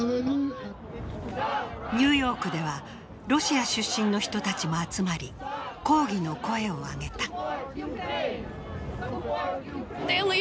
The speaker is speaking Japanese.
ニューヨークではロシア出身の人たちも集まり、抗議の声を上げた。